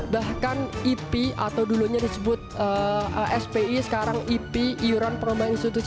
bahkan ip atau dulunya disebut spi sekarang ip iuran pengembangan institusi